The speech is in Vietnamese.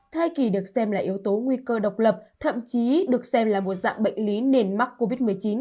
thai kỳ được xem là yếu tố nguy cơ độc lập thậm chí được xem là một dạng bệnh lý nền mắc covid một mươi chín